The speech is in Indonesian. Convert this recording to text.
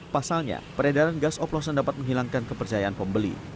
pasalnya peredaran gas oplosan dapat menghilangkan kepercayaan pembeli